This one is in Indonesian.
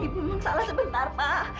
ibu memang salah sebentar pak